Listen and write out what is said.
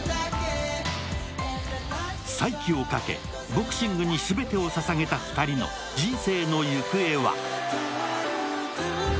再起をかけ、ボクシングに全てをささげた２人の人生の行方は。